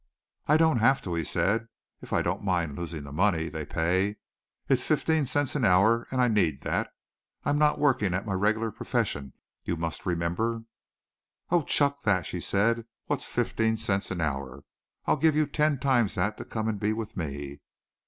"I don't have to," he said, "if I don't mind losing the money they pay. It's fifteen cents an hour and I need that. I'm not working at my regular profession, you must remember." "Oh, chuck that," she said. "What's fifteen cents an hour? I'll give you ten times that to come and be with me."